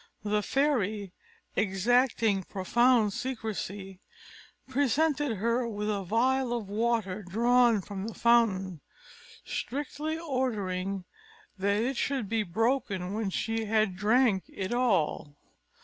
The fairy, exacting profound secrecy, presented her with a phial of water drawn from the fountain, strictly ordering that it should be broken when she had drank it all.